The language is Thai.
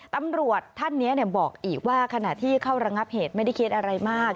ตำรวจท่านนี้บอกอีกว่าขณะที่เข้าระงับเหตุไม่ได้คิดอะไรมาก